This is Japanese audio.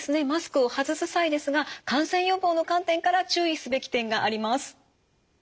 マスクを外す際ですが感染予防の観点から注意すべき点があります。